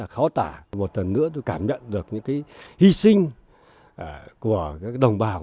có tả một lần nữa tôi cảm nhận được những cái hy sinh của các đồng bào